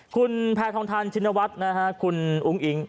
คุณแพทองทันชินวัตรคุณอุ้งอิง